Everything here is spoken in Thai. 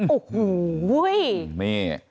โอ้โห